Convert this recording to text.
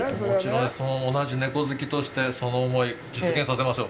その同じ猫好きとしてその思い、実現させましょう。